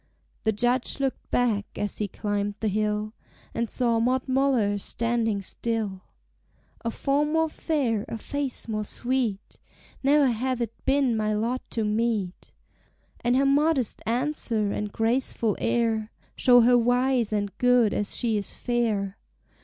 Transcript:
The Judge looked back as he climbed the hill, And saw Maud Muller standing still: "A form more fair, a face more sweet, Ne'er hath it been my lot to meet. "And her modest answer and graceful air Show her wise and good as she is fair.